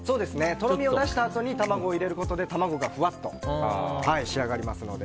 とろみを出したあとに卵を入れることで卵がふわっとしあがりますので。